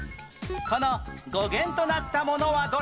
この語源となったものはどれ？